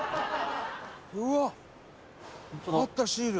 「うわっ！あったシール！」